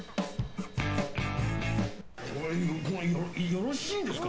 よろしいんですか？